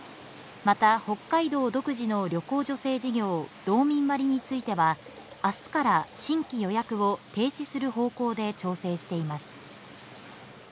また北海道独自の旅行助成事業、どうみん割については、明日から新規予約を停止する方向で調整しています。